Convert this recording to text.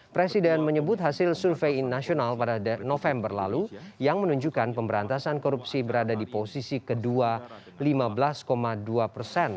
presiden menyebut hasil survei internasional pada november lalu yang menunjukkan pemberantasan korupsi berada di posisi kedua lima belas dua persen